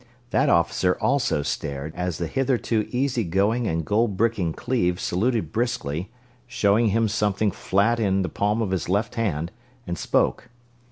That officer also stared as the hitherto easy going and gold bricking Cleve saluted briskly, showed him something flat in the palm of his left hand, and spoke.